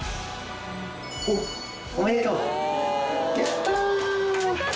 おっ、おめでとう。